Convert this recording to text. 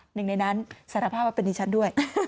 หนึ่งในนั้นสารภาพว่าเป็นดิฉันด้วย